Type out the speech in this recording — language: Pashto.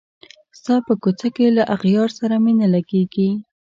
ستا په کوڅه کي له اغیار سره مي نه لګیږي